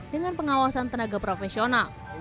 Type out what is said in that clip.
dengan pengawasan tenaga profesional